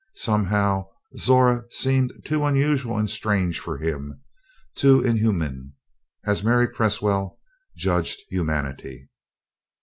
Somehow Zora seemed too unusual and strange for him too inhuman, as Mary Cresswell judged humanity.